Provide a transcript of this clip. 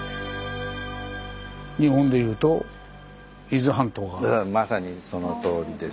日本でいうとまさにそのとおりです。